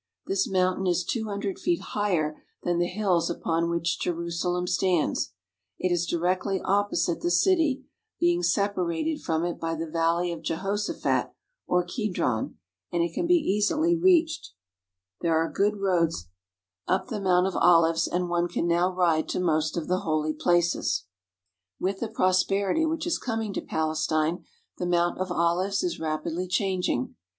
This mountain is two hundred feet higher than the hills upon which Je rusalem stands. It is directly opposite the city, being separated from it by the Valley of Jehoshaphat or Kedron, and it can be easily reached. There are good roads up 125 THE HOLY LAND AND SYRIA the Mount of Olives, and one can now ride to most of the holy places. With the prosperity which is coming to Palestine the Mount of Olives is rapidly changing.